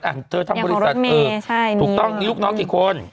อย่างของรถแม่ใช่ถูกต้องนี่ลูกน้องกี่คน